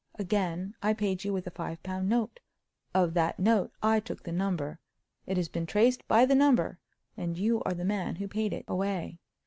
Again, I paid you with a five pound note. Of that note I took the number. It has been traced by the number, and you are the man who paid it away.